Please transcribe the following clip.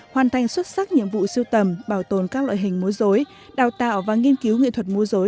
hoàn thành xuất sắc nhiệm vụ siêu tầm bảo tồn các loại hình mua dối đào tạo và nghiên cứu nghệ thuật mua dối